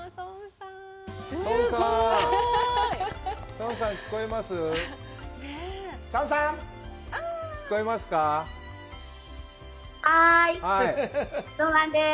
孫さん、聞こえます？